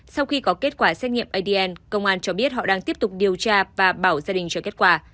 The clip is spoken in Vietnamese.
sau khi có kết quả xét nghiệm adn công an cho biết họ đang tiếp tục điều tra và bảo gia đình cho kết quả